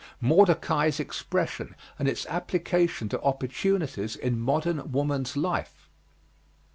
Mordecai's expression and its application to opportunities in modern woman's life.